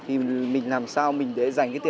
em học lớp mấy rồi